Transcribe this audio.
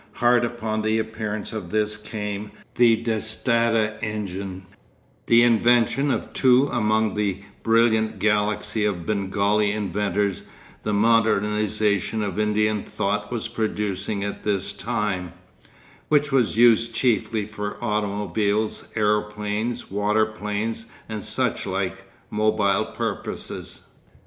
Hard upon the appearance of this came the Dass Tata engine—the invention of two among the brilliant galaxy of Bengali inventors the modernisation of Indian thought was producing at this time—which was used chiefly for automobiles, aeroplanes, waterplanes, and such like, mobile purposes.